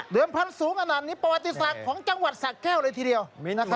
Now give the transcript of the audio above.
เหลือมพันธุ์สูงอันนั้นนี่ประวัติศาสตร์ของจังหวัดสะแก้วเลยทีเดียวนะครับ